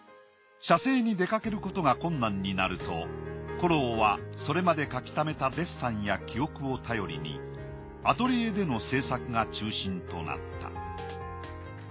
写生に出かけることが困難になるとコローはそれまで描き溜めたデッサンや記憶を頼りにアトリエでの制作が中心となった。